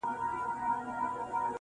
مه یې را کوه د هضمېدلو توان یې نلرم,